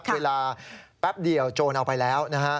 เวลาแป๊บเดียวโจรเอาไปแล้วนะฮะ